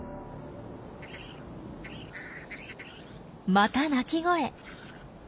また鳴き声。